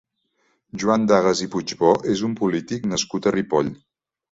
Joan Dagas i Puigbó és un polític nascut a Ripoll.